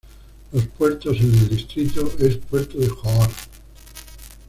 Los puertos en el distrito es Puerto de Johor